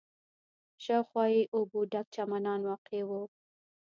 شاوخوا یې اوبو ډک چمنان واقع و.